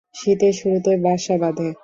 শীতের শুরুতে বাসা বাঁধে।